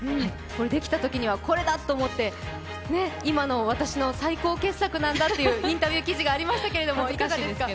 できたときには、これだと思って今の私の最高傑作なんだというインタビュー記事がありましたけど。